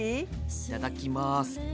いただきます。